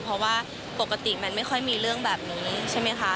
เพราะว่าปกติมันไม่ค่อยมีเรื่องแบบนี้ใช่ไหมคะ